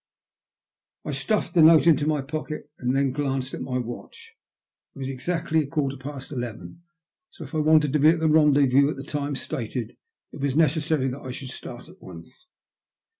I stuffed the note into 'my pocket and then glanced at my watch. It was exactly a quarter past eleven, so if I wanted to be at the rendezvous at the time stated it was necessary that I should start at once.